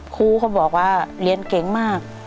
ครูเขาบอกว่าเรียนเก่งมาก